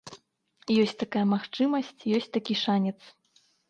Ёсць такая магчымасць, ёсць такі шанец.